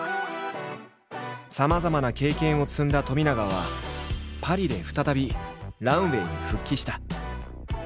さまざまな経験を積んだ冨永はパリで再びランウエイに復帰した。